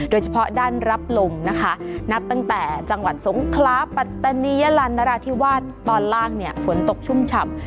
โดยเฉพาะด้านรับลมนะคะนับตั้งแต่จังหวัดสงคลาปัตตานียลันนราธิวาสตอนล่างเนี่ยฝนตกชุ่มฉ่ำ